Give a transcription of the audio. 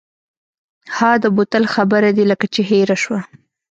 ها د بوتل خبره دې لکه چې هېره شوه.